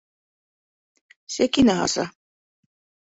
Сәкинә аса.